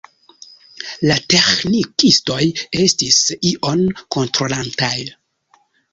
La teĥnikistoj estis ion kontrolantaj.